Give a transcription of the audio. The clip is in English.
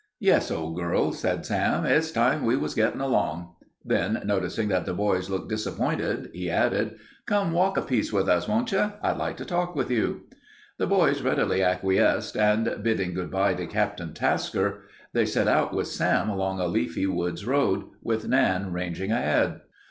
"Yes, old girl," said Sam, "it's time we was gettin' along." Then, noticing that the boys looked disappointed, he added, "Come walk a piece with us, won't you? I'd like to talk with you." The boys readily acquiesced, and bidding good by to Captain Tasker, they set out with Sam along a leafy woods road, with Nan ranging ahead.